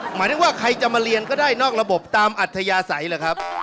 หมายถึงว่าใครจะมาเรียนก็ได้นอกระบบตามอัธยาศัยเหรอครับ